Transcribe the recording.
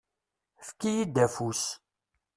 Fek-iyi-d afus.